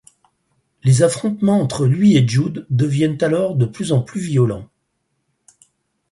Les affrontements entre lui et Dude deviennent alors de plus en plus violents.